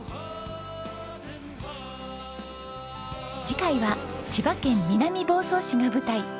次回は千葉県南房総市が舞台。